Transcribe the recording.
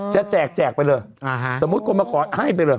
แจกแจกไปเลยสมมุติคนมาขอให้ไปเลย